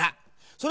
それ！